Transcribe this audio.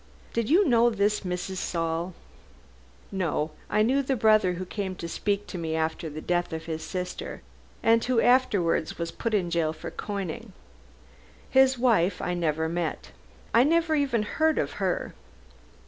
Did you know this Mrs. Saul?" "No. I knew the brother who came to speak to me after the death of his sister, and who afterwards was put in jail for coining. His wife I never met. I never even heard of her.